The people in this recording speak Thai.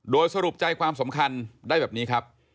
โดยสรุปใจความสำคัญได้แบบนี้ครับ